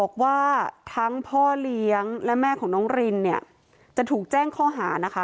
บอกว่าทั้งพ่อเลี้ยงและแม่ของน้องรินเนี่ยจะถูกแจ้งข้อหานะคะ